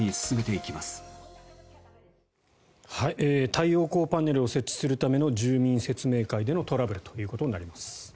太陽光パネルを設置するための住民説明会でのトラブルとなります。